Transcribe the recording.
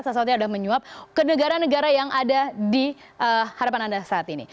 seseorang ada menyuap ke negara negara yang ada di hadapan anda saat ini